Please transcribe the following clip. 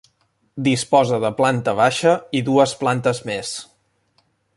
Disposa de planta baixa i dues plantes més.